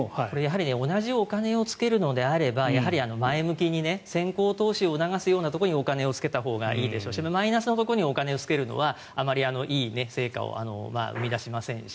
同じお金をつけるのであればやはり前向きに先行投資を促すようなところにお金をつけたほうがいいでしょうしマイナスのところにお金をつけるのはあまりいい成果を生み出しませんし